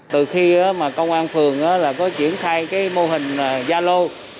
từ khi mà công an phường có triển khai cái mô hình zalo